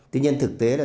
tuy nhiên thực tế là